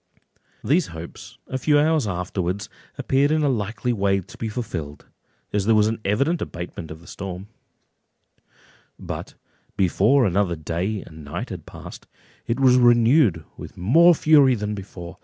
These hopes a few hours afterwards appeared in a likely way to be fulfilled, as there was an evident abatement of the storm; but before another day and night had passed, it was renewed with more fury than before.